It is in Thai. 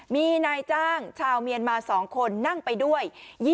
มีนายจ้างชาวเมียนมา๒คนนั่งไปด้วย